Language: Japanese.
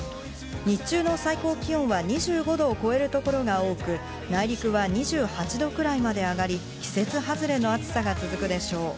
日中の最高気温は２５度を超える所が多く、内陸は２８度くらいまで上がり、季節外れの暑さが続くでしょう。